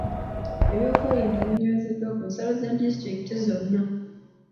Ebyokwerinda binywezeddwa ku nsalo za disitulikiti zonna.